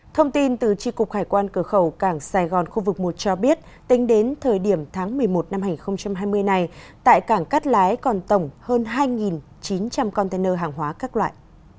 thông tin từ tri cục hải quan cửa khẩu cảng sài gòn khu vực một cho biết tính đến thời điểm tháng một mươi một năm hai nghìn hai mươi này tại cảng cát lái còn tổng hơn hai chín trăm linh container hàng hóa các loại